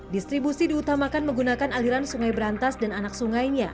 distribusi diutamakan menggunakan aliran sungai berantas dan anak sungainya